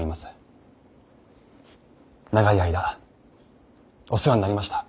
長い間お世話になりました。